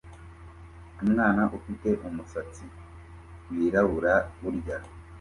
Umwana ufite umusatsi wirabura urya